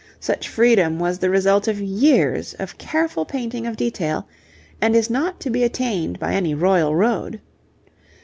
Such freedom was the result of years of careful painting of detail, and is not to be attained by any royal road.